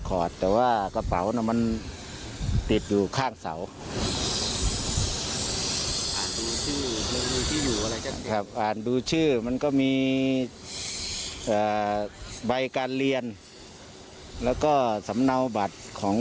แต่ว่ากระเป๋าน่ะมันติดอยู่ข้างเสาอ่านดูชื่อมันก็มีใบการเรียนแล้วก็สำเนาบัตรของ